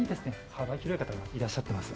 幅広い方がいらっしゃってます。